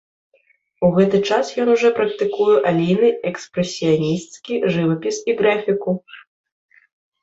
У гэты час ён ужо практыкуе алейны экспрэсіянісцкі жывапіс і графіку.